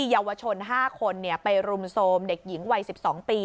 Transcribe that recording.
เยาวชน๕คนไปรุมโทรมเด็กหญิงวัย๑๒ปี